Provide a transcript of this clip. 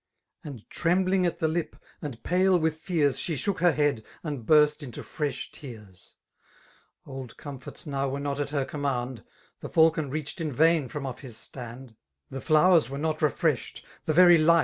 And trembling at the lip, and pale with fears, She^hook her head, and b«^t into fresh tears* Old comforts now were not at her command: The fakon reached, in vain from off his standi The flowers were not refreshed ; the very light.